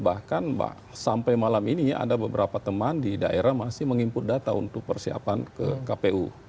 bahkan sampai malam ini ada beberapa teman di daerah masih meng input data untuk persiapan ke kpu